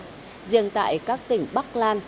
hệ thống tàu hỏa rất phát triển